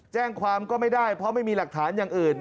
แจ้งความก็ไม่ได้เพราะไม่มีหลักฐานอย่างอื่น